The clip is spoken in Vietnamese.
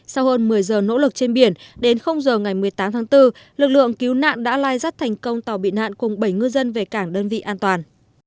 sau hơn một mươi giờ nỗ lực trên biển đến giờ ngày một mươi tám tháng bốn lực lượng cứu nạn đã lai rắt thành công tàu bị nạn cùng bảy ngư dân về cảng đơn vị an toàn